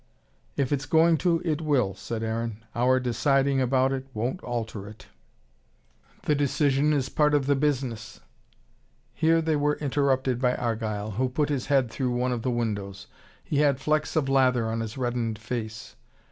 "If it's going to, it will," said Aaron. "Our deciding about it won't alter it." "The decision is part of the business." Here they were interrupted by Argyle, who put his head through one of the windows. He had flecks of lather on his reddened face.